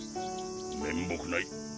面目ない。